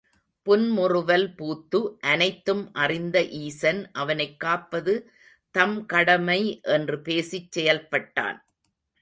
புன்முறுவல் பூத்து அனைத்தும் அறிந்த ஈசன் அவனைக் காப்பது தம் கடமை என்று பேசிச் செயல்பட்டான்.